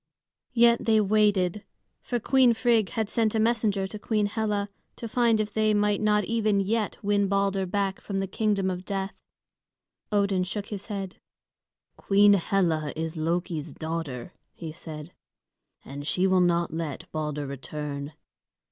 Yet they waited; for Queen Frigg had sent a messenger to Queen Hela to find if they might not even yet win Balder back from the kingdom of death. Odin shook his head. "Queen Hela is Loki's daughter," he said, "and she will not let Balder return."